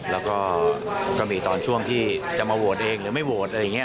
แล้วก็ก็มีตอนช่วงที่จะมาโหวตเองหรือไม่โหวตอะไรอย่างนี้